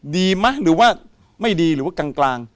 ดีไหมหรือว่าไม่ดีหรือว่ากลาง